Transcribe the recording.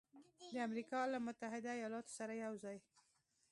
د امریکا له متحده ایالاتو سره یوځای